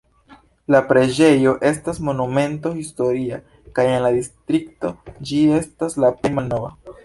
La preĝejo estas Monumento historia kaj en la distrikto ĝi estas la plej malnova.